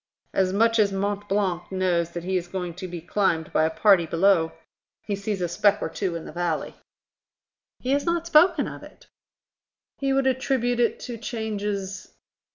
"As much as Mont Blanc knows that he is going to be climbed by a party below. He sees a speck or two in the valley." "He has not spoken of it." "He would attribute it to changes